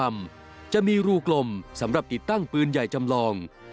จะมีรูกลมสำหรับติดตั้งปืนใหญ่จำลอง